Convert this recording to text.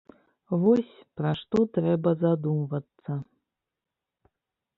Вось, пра што трэба задумвацца.